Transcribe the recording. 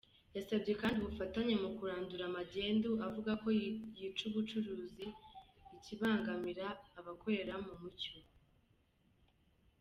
Yasabye kandi ubufatanye mu kurandura magendu avuga ko yica ubucuruzi ikabangamira abakorera mu mucyo.